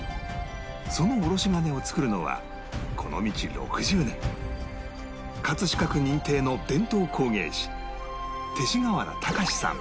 そのおろし金を作るのはこの道６０年飾区認定の伝統工芸士勅使川原隆さん